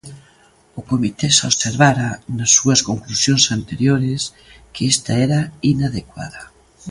O Comité xa observara, nas súas conclusións anteriores que esta era inadecuada.